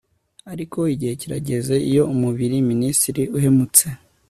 Ariko igihe kirageze iyo umubiri minisitiri uhemutse